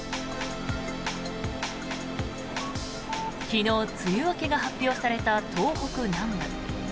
昨日、梅雨明けが発表された東北南部。